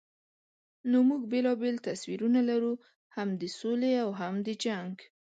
نو موږ بېلابېل تصویرونه لرو، هم د سولې او هم د جنګ.